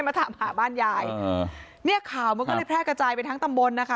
มาถามหาบ้านยายอ่าเนี่ยข่าวมันก็เลยแพร่กระจายไปทั้งตำบลนะคะ